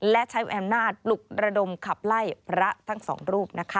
และใช้แอมนาทลุกระดมขับไล่พระทั้งสองรูป